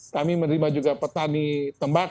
kami menerima juga petani tembak